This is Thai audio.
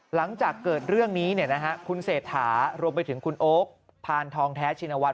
หลังจากเกิดเรื่องนี้คุณเศรษฐารวมไปถึงคุณโอ๊คพานทองแท้ชินวัฒ